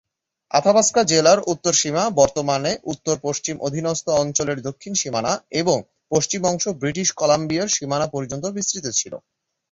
Athabasca জেলার উত্তর সীমা, বর্তমানে উত্তর পশ্চিম অধীনস্থ অঞ্চলের দক্ষিণ সীমানা এবং পশ্চিম অংশ ব্রিটিশ কলাম্বিয়ার সীমানা পর্যন্ত বিস্তৃত ছিল।